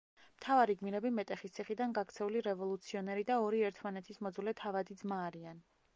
მთავარი გმირები მეტეხის ციხიდან გაქცეული რევოლუციონერი და ორი ერთმანეთის მოძულე თავადი ძმა არიან.